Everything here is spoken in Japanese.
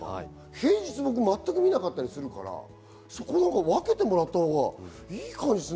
平日全く見なかったりするから、分けてもらったほうがいい感じがする。